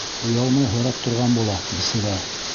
Оялмай һорап торған була, бисура!